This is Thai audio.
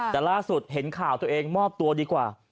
แต่ล่าสุดเห็นข่าวตัวเองมอบตัวดีกว่า